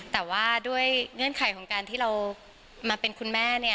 แต่ว่าด้วยเงื่อนไขของการที่เรามาเป็นคุณแม่